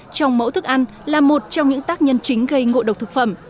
trong mẫu thức ăn là một trong những tác nhân chính gây ngộ độc thực phẩm